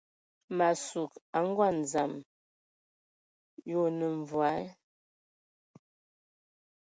Ma sug a ngɔ dzam, yi onə mvɔí ?